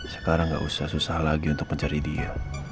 sekarang gak usah susah lagi untuk mencari dia